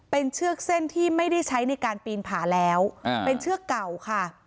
เป็นเชือกเส้นที่ไม่ได้ใช้ในการปีนผาแล้วเป็นเชือกเก่าค่ะ